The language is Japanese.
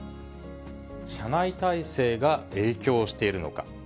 社内体制が影響しているのか。